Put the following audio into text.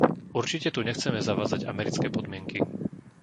Určite tu nechceme zavádzať americké podmienky.